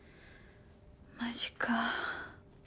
マジか。